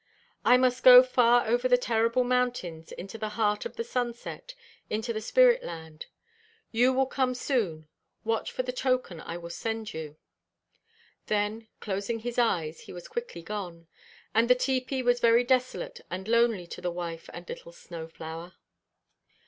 "I must go far over the terrible mountains, into the heart of the sunset, into the spirit land. You will come soon; watch for the token I will send you." Then, closing his eyes, he was quickly gone. And the tepee was very desolate and lonely to the wife and little Snow flower.